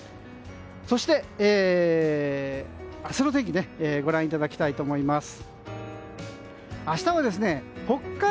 そして明日の天気ご覧いただきたいと思います。